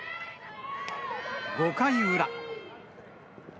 ５回裏。